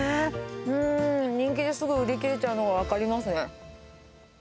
うーん、人気ですぐ売り切れちゃうのが分かりますね。